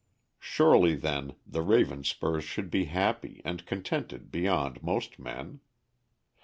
Surely, then, the Ravenspurs should be happy and contented beyond most men.